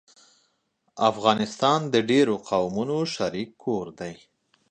افغانستان د ډېرو قومونو شريک کور دی